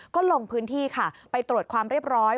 ก็ลงพื้นที่ค่ะไปตรวจความเรียบร้อย